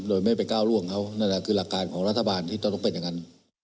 โดยไม่ไปก้าวร่วงเขานั่นแหละคือหลักการของรัฐบาลที่จะต้องเป็นอย่างนั้น